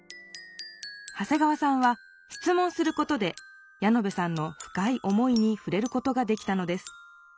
長谷川さんは質問することでヤノベさんのふかい思いにふれることができたのです。